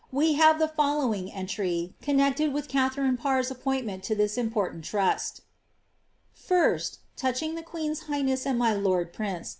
we have the following entr\\ con ted with Katharine Parrs appointment to this important trust :— Fif ft, um'^hing The queen's Iiighness and my lord prince.